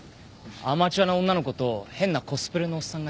アマチュアの女の子と変なコスプレのおっさんがいた。